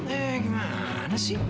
eh gimana sih